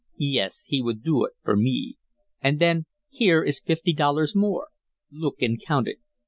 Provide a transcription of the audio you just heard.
"Yes, he would do it for me. And then here is fifty dollars more. Look and count it.